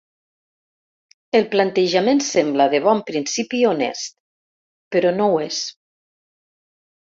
El plantejament sembla de bon principi honest, però no ho és.